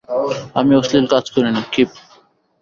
আমি অশ্লীল কাজ করি না, কিপ।